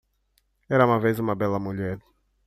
era uma vez uma bela mulher